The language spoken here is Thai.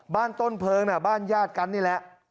บ้านต้นเพลิงน่ะบ้านญาติกันนี่แหละ